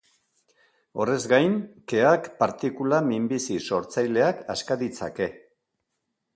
Horrez gain, keak partikula minbizi-sortzaileak aska ditzake.